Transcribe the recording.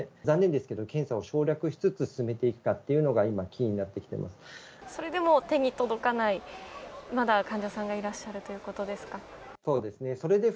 残念ですけれども、検査を省略しつつ進めていくかというのが今、キーになってきてまそれでも手に届かないまだ患者さんがいらっしゃるということですか。